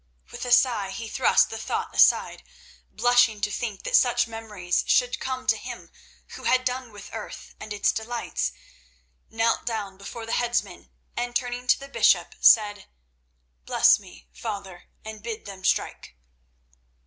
With a sigh he thrust the thought aside, blushing to think that such memories should come to him who had done with earth and its delights, knelt down before the headsman, and, turning to the bishop, said: "Bless me, father, and bid them strike."